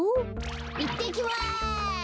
いってきます。